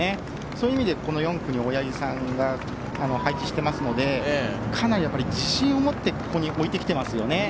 そういう意味で４区に大八木さんが配置していますのでかなり自信を持ってここに置いてきていますよね。